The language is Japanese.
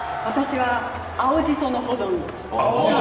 私は、青じその保存。